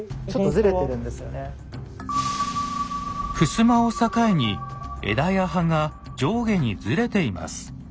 襖を境に枝や葉が上下にずれています。